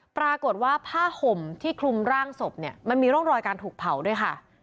ปรากฏว่าผ้าห่มที่คลุมร่างศพเนี่ยมันมีร่องรอยการถูกเผาด้วยค่ะ